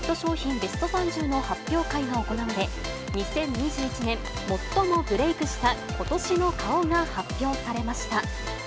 ベスト３０の発表会が行われ、２０２１年、最もブレークした今年の顔が発表されました。